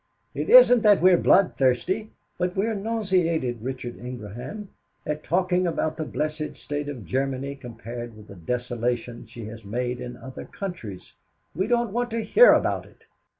It isn't that we are bloodthirsty, but we are nauseated, Richard Ingraham, at talking about the blessed state of Germany compared with the desolation she has made in other countries. We don't want to hear about it."